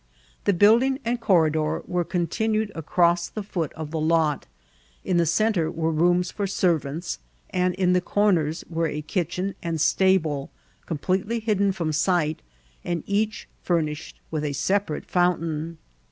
The building and conridcHr were oontianed across the foot of the lot ; in the centre were rooms for serrantSi and in the comers were a kitchen and stable, com pletely hidden from ne^t, and each furnished with a separate fountain.